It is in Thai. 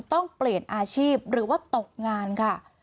ต้องเปลี่ยนอาชีพหรือว่าตกงานค่ะ